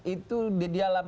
itu di dalam